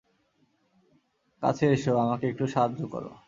কাছে এসো, আমাকে একটু সাহায্য করো!